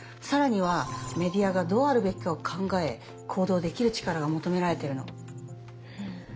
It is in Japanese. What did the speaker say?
さらにはメディアがどうあるべきかを考え行動できる力が求められているの。